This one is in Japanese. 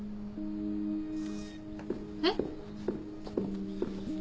えっ？